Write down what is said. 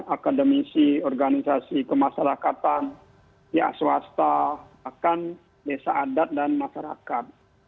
akademisi organisasi kemasyarakatan pihak swasta bahkan desa adat dan masyarakat